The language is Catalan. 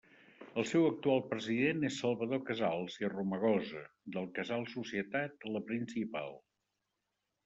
El seu actual president és Salvador Casals i Romagosa, del Casal Societat La Principal.